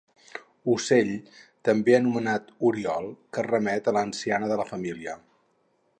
Ocell, també anomenat oriol, que remet a l'anciana de la família.